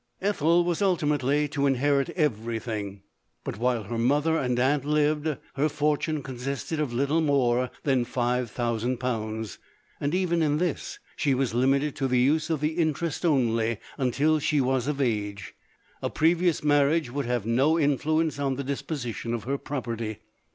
Ethel 278 LODORE. was ultimately to inherit every thing ; but while her mother and aunt lived, her fortune consisted of little more than five thousand pounds ; and even in this, she was limited to the use of the interest only until sh^ was of age; a previous marriage would have no influ ence on the disposition of her property.